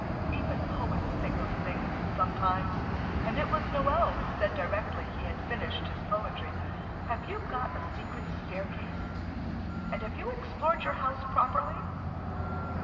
Even poets think of things sometimes, and it was Noël who said directly he had finished his poetry, "Have you got a secret staircase? And have you explored your house properly?"